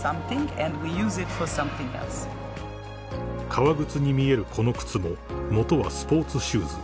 ［革靴に見えるこの靴も元はスポーツシューズ］